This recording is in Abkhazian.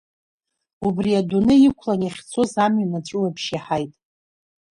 Убри адунеи иқәлан иахьцоз амҩан аҵәуабжь иаҳаит.